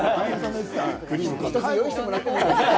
一つ用意してもらってもいいですか？